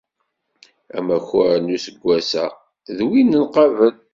Amakar n useggas-a, d win n qabel.